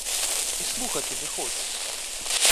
І слухати не хочу!